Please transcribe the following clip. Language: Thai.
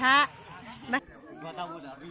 อาหารของเรานะ